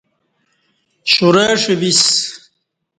شورہ اݜہ بِسہ